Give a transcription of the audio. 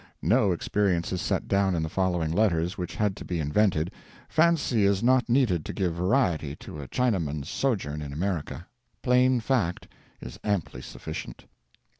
—No experience is set down in the following letters which had to be invented. Fancy is not needed to give variety to a Chinaman's sojourn in America. Plain fact is amply sufficient.